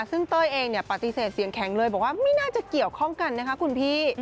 ซึ่งเต้ยเองปฏิเสธเสียงแข็งเลยบอกว่าไม่น่าจะเกี่ยวข้องกันนะคะคุณพี่